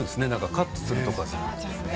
カットするとかではなく。